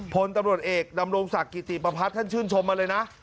พลตำรวจเอกดำรงศักดิ์กิติประพัฒน์ท่านชื่นชมมาเลยนะ